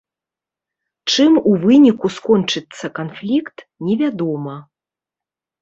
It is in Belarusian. Чым у выніку скончыцца канфлікт, невядома.